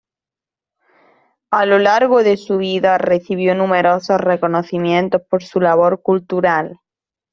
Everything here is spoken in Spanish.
A lo largo de su vida recibió numerosos reconocimientos por su labor cultural.